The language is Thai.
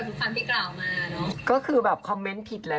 เพลงของพี่ก้องสถานัดขายของเลย